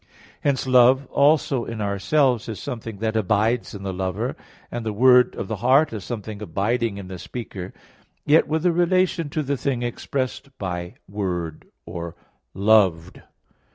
Hence, love also in ourselves is something that abides in the lover, and the word of the heart is something abiding in the speaker; yet with a relation to the thing expressed by word, or loved.